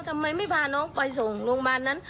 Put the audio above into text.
ทำไมไม่พาน้องไปส่งโรงพยาบาลนั้น